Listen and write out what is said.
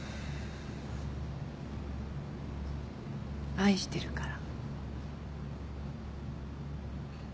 愛してるから？